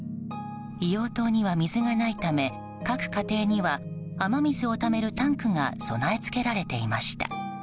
硫黄島には水がないため各家庭には雨水をためるタンクが備え付けられていました。